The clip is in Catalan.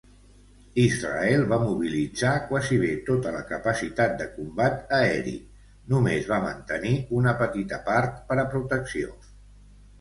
Israel va mobilitzar quasi bé tota la capacitat de combat aeri, només va mantenir una petita part per a protecció.